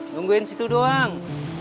nungguin situ doang